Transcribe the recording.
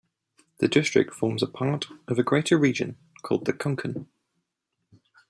The district forms part of a greater region called the Konkan.